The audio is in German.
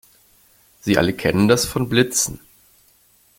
Sie alle kennen das von Blitzen.